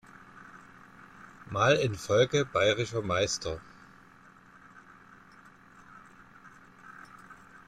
Mal in Folge Bayerischer Meister.